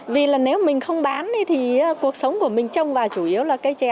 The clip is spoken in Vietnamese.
vì là nếu mình không bán thì cuộc sống của mình trông và chủ yếu là cây chè